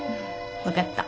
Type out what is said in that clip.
分かった。